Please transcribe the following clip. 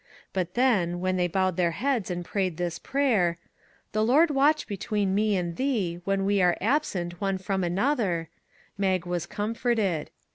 But then, when they bowed their heads and prayed this prayer, " The Lord watch between me and thee, when we are absent one from another," Mag was comforted.